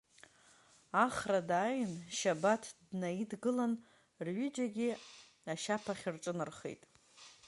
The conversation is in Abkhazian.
Ахра дааин Шьабаҭ днаидгылан, рҩыџьагьы ашьаԥахь рҿынархеит.